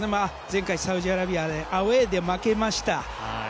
前回、サウジアラビアでアウェーで負けました。